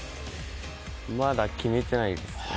まだ決めてないです。